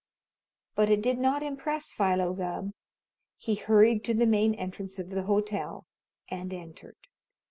But it did not impress Philo Gubb. He hurried to the main entrance of the hotel, and entered.